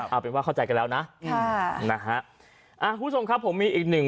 เอาเป็นว่าเข้าใจกันแล้วนะค่ะนะฮะอ่าคุณผู้ชมครับผมมีอีกหนึ่ง